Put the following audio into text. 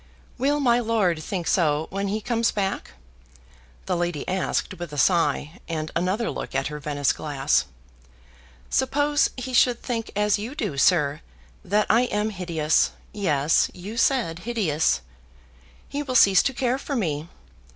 "Will my lord think so when he comes back?" the lady asked with a sigh, and another look at her Venice glass. "Suppose he should think as you do, sir, that I am hideous yes, you said hideous he will cease to care for me.